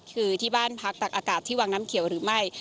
คือที่บ้านพักตักอากาศที่วังน้ำเขียวหรือไม่